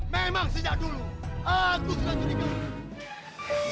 memang sejak dulu aku sudah curiga